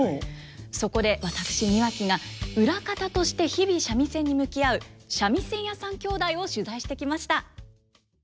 そこで私庭木が裏方として日々三味線に向き合う三味線屋さん兄弟を取材してきました。